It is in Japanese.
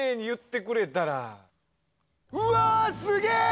うわすげえ！